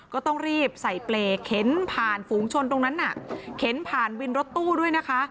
ก็ต้องรีบใส่เปรย์เข็นผ่านฝูงชนตรงนั้นน่ะเข็นผ่านวินรถตู้ด้วยนะคะ